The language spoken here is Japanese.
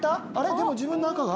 でも自分の赤が？